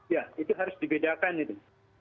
ya itu harus dibedakan itu